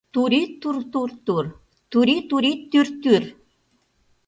Тури тур-тур-тур, тури, тури тӱр-тӱр...